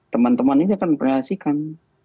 teman teman ini akan mengkreasikan